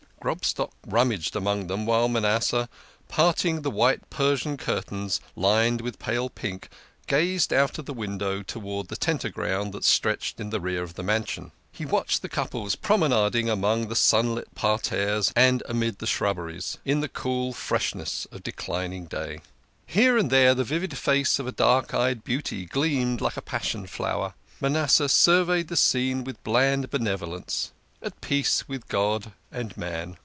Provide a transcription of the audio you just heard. Grobstock rummaged among them while Manasseh, parting the white Persian curtains lined with pale pink, gazed out of the window towards the Tenterground that stretched in the rear of the mansion. Leaning on his staff, THE KING OF SCHNORRERS. 31 r he watched the couples promenading among the sunlit par terres and amid the shrubberies, in the cool freshness of de clining day. Here and there the vivid face of a dark eyed beauty gleamed like a passion flower. Manasseh surveyed the scene with bland benevolence ; at peace with God and man.